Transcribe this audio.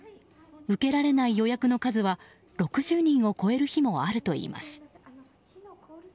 受けられない予約の数は６０人を超える日もあるといいます。